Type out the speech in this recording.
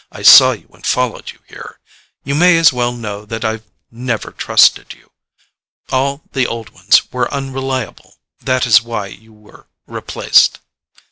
I saw you and followed you here. You may as well know that I have never trusted you. All the old ones were unreliable. That is why you were replaced."